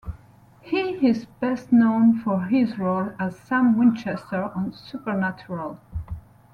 He is best known for his role as Sam Winchester on "Supernatural".